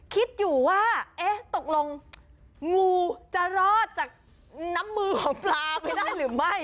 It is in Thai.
คิดอยู่ว่าเอ๊ะตกลงงูจะรอดจากน้ำมือของปลาไปได้หรือไม่